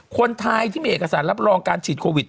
คนไทยที่มีเอกสารรับรองการฉีดโควิด